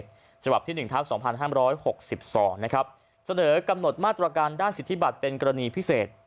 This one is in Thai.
ฉบับที่๑ทัพ๒๕๖๒นะครับเสนอกำหนดมาตรการด้านสิทธิบัตรเป็นกรณีพิเศษ